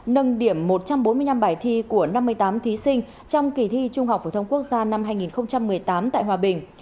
nâng điểm một trăm bốn mươi năm bài thi của năm mươi tám thí sinh trong kỳ thi trung học phổ thông quốc gia năm hai nghìn một mươi tám tại hòa bình